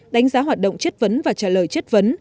đánh giá hoạt động chất vấn và trả lời chất vấn